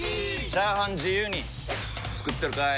チャーハン自由に作ってるかい！？